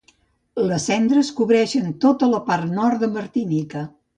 Les cendres cobreixen tota la part nord de Martinica.